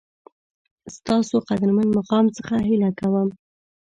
ستاسو قدرمن مقام څخه هیله کوم